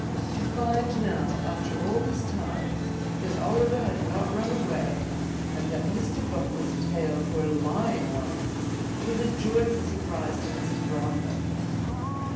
To find now, after all this time, that Oliver had not run away, and that Mr. Bumble's tales were lying ones, was a joyful surprise to Mr. Brownlow.